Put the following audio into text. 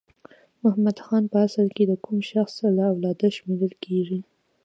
محمد خان په اصل کې د کوم شخص له اولاده شمیرل کیږي؟